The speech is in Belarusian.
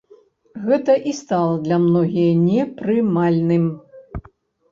Гэта і стала для многія непрымальным.